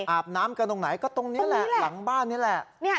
อาบน้ำกันตรงไหนก็ตรงนี้แหละหลังบ้านนี่แหละ